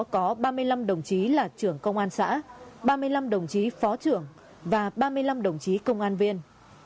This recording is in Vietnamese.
có ba mươi năm đồng chí là trưởng công an xã ba mươi năm đồng chí phó trưởng và ba mươi năm đồng chí công an viên